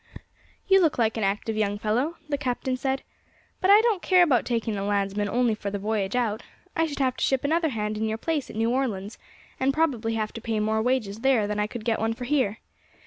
"You look an active young fellow," the captain said, "but I don't care about taking a landsman only for the voyage out; I should have to ship another hand in your place at New Orleans, and probably have to pay more wages there than I could get one for here.